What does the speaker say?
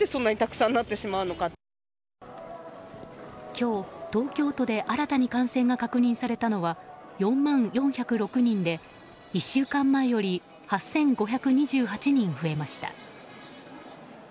今日、東京都で新たに感染が確認されたのは４万４０６人で１週間前より８５２８人増えました。